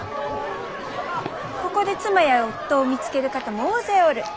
ここで妻や夫を見つける方も大勢おる。